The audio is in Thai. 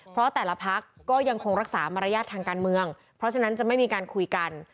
เพราะแต่ละพักก็ยังคงรักษามารยาททางการเมืองเพราะฉะนั้นจะไม่มีการคุยกัน